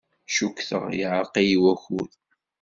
Cukkteɣ yeɛreq-iyi wakud.